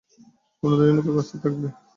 আপনার জন্যে নৌকার ব্যবস্থা থাকবে।